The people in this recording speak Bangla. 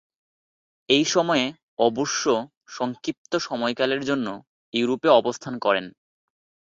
এ সময়ে অবশ্য সংক্ষিপ্ত সময়কালের জন্য ইউরোপে অবস্থান করেন।